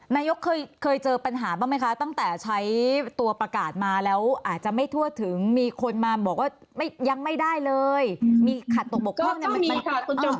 นายกเคยเจอปัญหาบ้างไหมคะตั้งแต่ใช้ตัวประกาศมาแล้วอาจจะไม่ทั่วถึงมีคนมาบอกว่ายังไม่ได้เลยมีขัดตกบกพร่องเนี่ย